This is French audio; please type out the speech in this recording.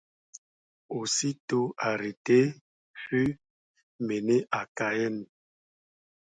Aussitôt arrêté, 'fus mené à Cayenne.